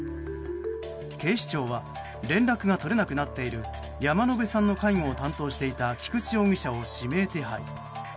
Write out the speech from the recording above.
警視庁は連絡が取れなくなっている山野辺さんの介護を担当していた菊池容疑者を指名手配。